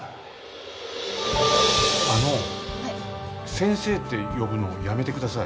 先生って呼ぶのやめてください。